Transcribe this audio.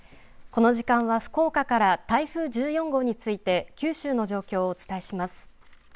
この時間は福岡から台風１４号について九州の状況をお伝えします。